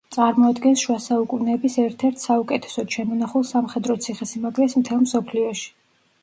წარმოადგენს შუა საუკუნეების ერთ-ერთ საუკეთესოდ შემონახულ სამხედრო ციხესიმაგრეს მთელ მსოფლიოში.